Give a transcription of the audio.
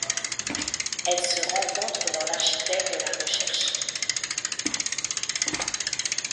Elle se rencontre dans l'archipel de la Recherche.